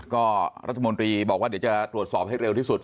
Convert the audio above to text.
ก็รัฐมนตรีบอกว่าเดี๋ยวจะตรวจสอบให้เร็วที่สุด